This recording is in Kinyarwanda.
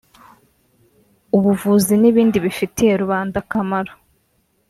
ubuvuzi n’ibindi bifitiye rubanda akamaro